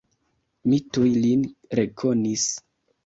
Mi tuj lin rekonis.